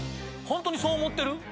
ホントにそう思ってる？